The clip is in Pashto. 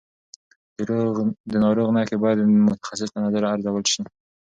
د ناروغ نښې باید د متخصص له نظره ارزول شي.